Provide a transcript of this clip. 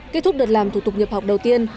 kết thúc đợt làm thủ tục nhập học đầu tiên